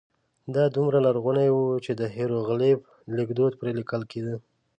دا دومره لرغونی و چې د هېروغلیف لیکدود پرې لیکل کېده.